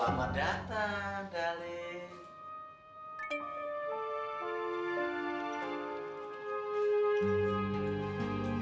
selamat datang dalek